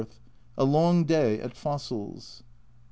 A long day at fossils.